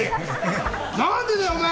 何でだよ、お前！